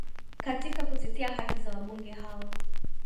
katika kutetea haki za wabunge hao